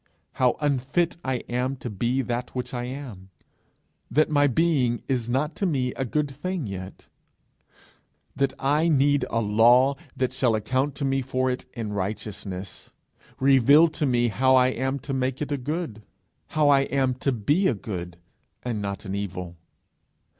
how unfit I am to be that which I am? that my being is not to me a good thing yet? that I need a law that shall account to me for it in righteousness reveal to me how I am to make it a good how I am to be a good, and not an evil?